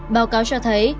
báo cáo cho thấy